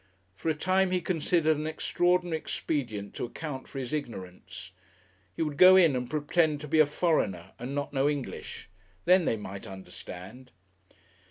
For a time he considered an extraordinary expedient to account for his ignorance. He would go in and pretend to be a foreigner and not know English. Then they might understand....